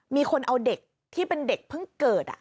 มีคนเอาเด็กที่เป็นเด็กเพิ่งเกิด